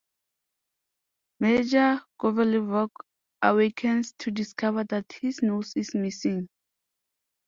Major Kovalyov awakens to discover that his nose is missing.